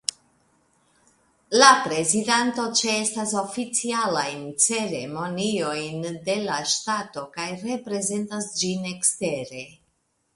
La prezidanto ĉeestas oficialajn ceremoniojn de la ŝtato kaj reprezentas ĝin ekstere.